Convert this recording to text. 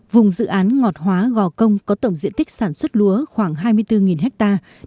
vùng dự án ngọt hóa gò công có tổng diện tích sản xuất lúa khoảng hai mươi bốn hectare